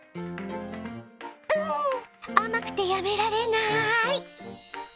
うんあまくてやめられない！